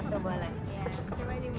dalam waktu dekat dulu